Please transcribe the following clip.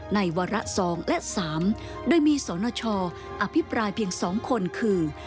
วาระ๒และ๓โดยมีสนชอภิปรายเพียง๒คนคือ